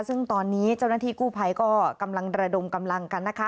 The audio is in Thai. ซึ่งตอนนี้เจ้าหน้าที่กู้ภัยก็กำลังระดมกำลังกันนะคะ